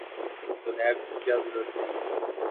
تو نیب کی کیا ضرورت تھی؟